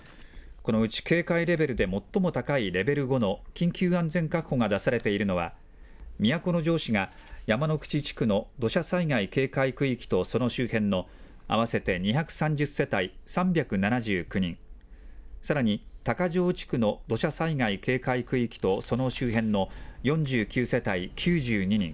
このうち、警戒レベルで最も高いレベル５の緊急安全確保が出されているのは、都城市が山之口地区の土砂災害警戒区域とその周辺の合わせて２３０世帯３７９人、さらに高城地区の土砂災害警戒区域とその周辺の４９世帯９２人、